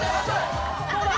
どうだ？